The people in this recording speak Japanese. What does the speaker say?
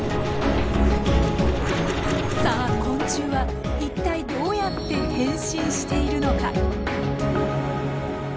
さあ昆虫は一体どうやって変身しているのか？